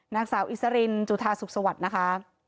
นางสาวอิสรินจุธาสุขสวัสดิ์นะคะ